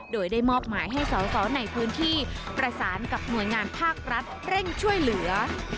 โดยได้มอบหมายให้สอสอในพื้นที่ประสานกับหน่วยงานภาครัฐเร่งช่วยเหลือ